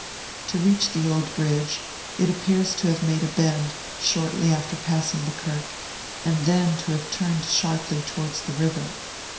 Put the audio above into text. To reach the old bridge, it appears to have made a bend, shortly after passing the kirk, and then to have turned sharply towards the river.